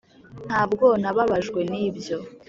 ntabwo nababajwe nibyo.